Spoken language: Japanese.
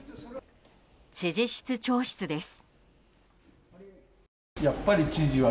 知事室長室です。